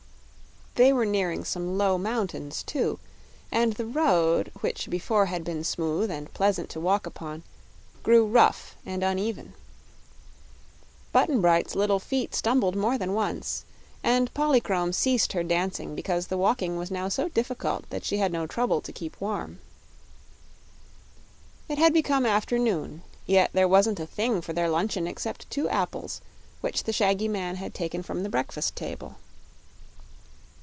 They were nearing some low mountains, too, and the road, which before had been smooth and pleasant to walk upon, grew rough and uneven. Button Bright's little feet stumbled more than once, and Polychrome ceased her dancing because the walking was now so difficult that she had no trouble to keep warm. It had become afternoon, yet there wasn't a thing for their luncheon except two apples which the shaggy man had taken from the breakfast table.